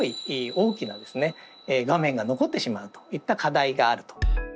大きな画面が残ってしまうといった課題があると。